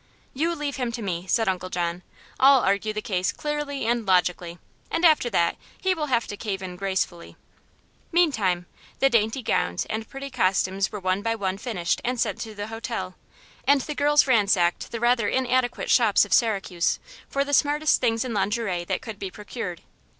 "You leave him to me," said Uncle John. "I'll argue the case clearly and logically, and after that he will have to cave in gracefully." Meantime the dainty gowns and pretty costumes were one by one finished and sent to the hotel, and the girls ransacked the rather inadequate shops of Syracuse for the smartest things in lingerie that could be procured.